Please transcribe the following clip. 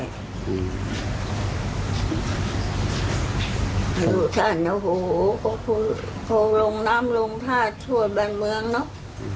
อยู่ท่านเนี่ยโหลงน้ำลงท่าช่วยบรรเมืองเนาะ